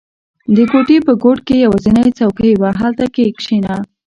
• د کوټې په ګوټ کې یوازینی څوکۍ وه، هلته کښېنه.